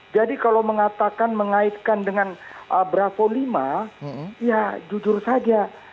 jadi kalau mengatakan mengaitkan dengan bravo lima ya jujur saja